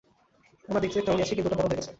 আমরা দেখতে তেমনই আছি, কিন্তু ওটা বড় হয়ে গেছে।